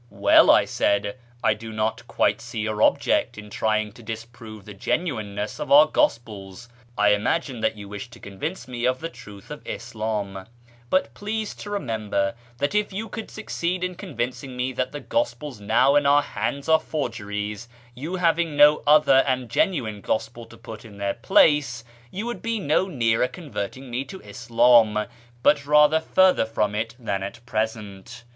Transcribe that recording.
" Well," I said, " I do not quite see your object in trying to disprove the genuineness of our gospels. I imagine that you wish to convince me of the truth of IsLim, but please to remember that if you could succeed in convincing me that the gospels now in our hands are forgeries, you having no other and genuine gospel to put in their place, you would be no nearer converting me to Ishini, but rather further from it than at present.